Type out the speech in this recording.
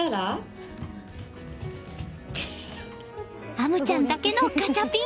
天夢ちゃんだけのガチャピン。